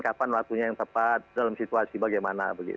kapan waktunya yang tepat dalam situasi bagaimana